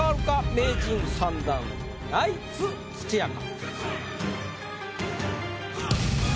名人３段ナイツ・土屋か？